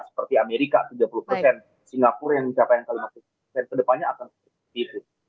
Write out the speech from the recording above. seperti amerika tiga puluh singapura yang mencapai lima puluh ke depannya akan lebih